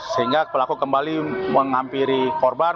sehingga pelaku kembali menghampiri korban